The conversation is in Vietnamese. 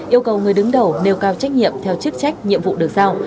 yêu cầu người đứng đầu nêu cao trách nhiệm theo chức trách nhiệm vụ được giao